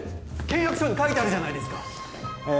契約書に書いてあるじゃないですかえ